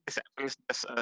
oke saya bisa mendengar anda